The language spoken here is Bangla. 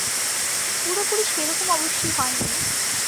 পুরোপুরি সেরকম অবশ্যি হয় নি।